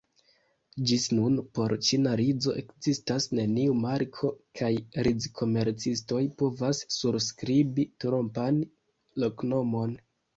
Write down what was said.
Ĝis nun por ĉina rizo ekzistas neniu marko kaj rizkomercistoj povas surskribi trompan loknomon.